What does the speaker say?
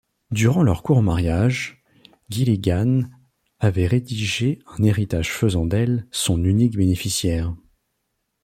Durant leur court mariage, Gilligan avait rédigé un héritage faisant d’elle son unique bénéficiaire.